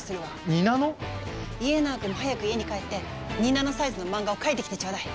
２ナノ⁉家長君も早く家に帰って２ナノサイズの漫画を描いてきてちょうだい。